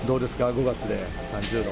５月で３０度。